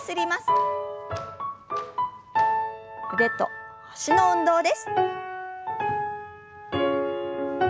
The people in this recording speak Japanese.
腕と脚の運動です。